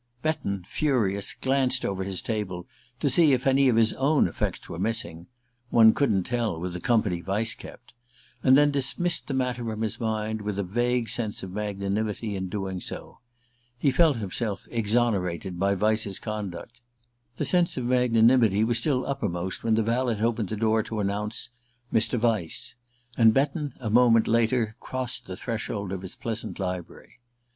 Betton, furious, glanced over his table to see if any of his own effects were missing one couldn't tell, with the company Vyse kept! and then dismissed the matter from his mind, with a vague sense of magnanimity in doing so. He felt himself exonerated by Vyse's conduct. The sense of magnanimity was still uppermost when the valet opened the door to announce "Mr. Vyse," and Betton, a moment later, crossed the threshold of his pleasant library.